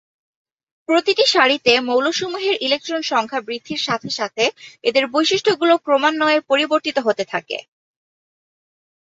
প্রতিটি সারিতে মৌলসমূহের ইলেকট্রন সংখ্যা বৃদ্ধির সাথে সাথে এদের বৈশিষ্ট্যগুলো ক্রমান্বয়ে পরিবর্তিত হতে থাকে।